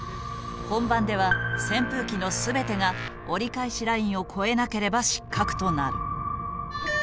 本番では扇風機の全てが折り返しラインを越えなければ失格となる。